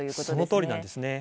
そのとおりなんですね。